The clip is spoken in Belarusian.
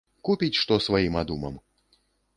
Купіць што сваім адумам.